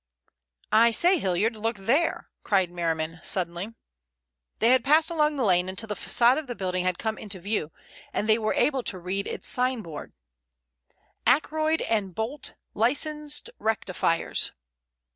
"I say, Hilliard, look there!" cried Merriman suddenly. They had passed along the lane until the facade of the building had come into view and they were able to read its signboard: "Ackroyd & Bolt, Licensed Rectifiers."